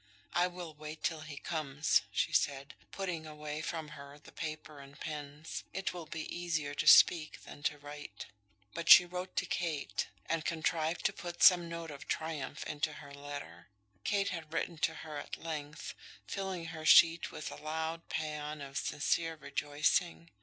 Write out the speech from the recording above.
"I will wait till he comes," she said, putting away from her the paper and pens. "It will be easier to speak than to write." But she wrote to Kate, and contrived to put some note of triumph into her letter. Kate had written to her at length, filling her sheet with a loud pæan of sincere rejoicing.